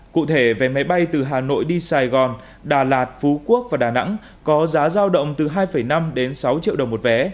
cụ thể vé máy bay từ hà nội đi sài gòn đà lạt phú quốc và đà nẵng có giá giao động từ hai năm đến sáu triệu đồng một vé